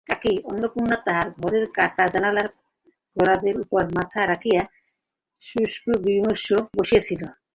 কাকী অন্নপূর্ণা তাঁহার ঘরের কাটা জানালার গরাদের উপর মাথা রাখিয়া শুষ্কবিমর্ষমুখে বসিয়াছিলেন।